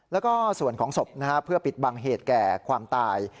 แล้วก็ส่วนของศพเพื่อปิดบังเหตุแก่ความตาย